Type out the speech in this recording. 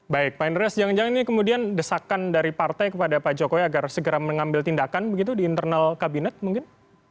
baik pak andreas jangan jangan ini kemudian desakan dari partai kepada pak jokowi agar segera mengambil tindakan begitu di internal kabinet mungkin